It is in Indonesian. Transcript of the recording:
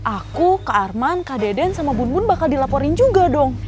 aku kak arman kak deden sama bun bun bakal dilaporin juga dong